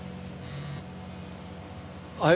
はい。